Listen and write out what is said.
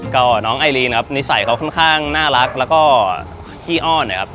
ก็น้องไอลีนะครับนิสัยเขาค่อนข้างน่ารักแล้วก็ขี้อ้อนนะครับ